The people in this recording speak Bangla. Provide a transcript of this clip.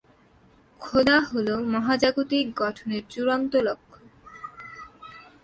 খোদা হল মহাজাগতিক গঠনের চূড়ান্ত লক্ষ্য।